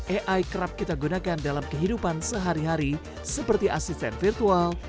ai kerap kita gunakan dalam kehidupan sehari hari seperti asisten virtual